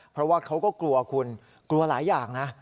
เพราะว่าเขาก็กลัวคุณกลัวหลายอย่างนะ